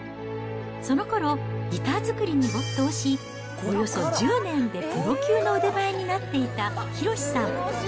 そのころ、ギター作りに没頭し、およそ１０年でプロ級の腕前になっていた浩さん。